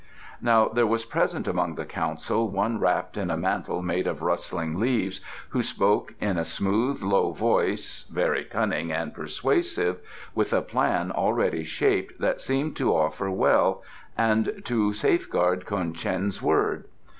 Now there was present among the council one wrapped in a mantle made of rustling leaves, who spoke in a smooth, low voice, very cunning and persuasive, with a plan already shaped that seemed to offer well and to safeguard Ko'en Cheng's word.